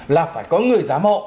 là phải có người giám hộ